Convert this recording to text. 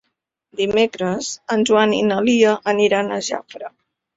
Dimecres en Joan i na Lia aniran a Jafre.